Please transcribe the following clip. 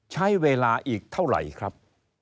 ใช้เวลาอีกเท่าไหร่ครับ